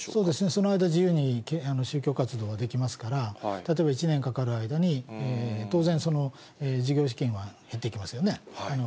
その間、自由に宗教活動ができますから、例えば１年かかる間に、当然、事業資金は減ってきますよね。